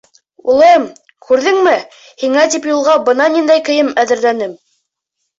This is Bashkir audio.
— Улым, күрҙеңме, һиңә тип юлға бына ниндәй кейем әҙерләнем!